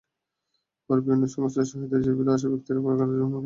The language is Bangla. পরে বিভিন্ন সংস্থার সহায়তায় দেশে ফিরে আসা ব্যক্তিরা বেকার জীবনযাপন করছিলেন।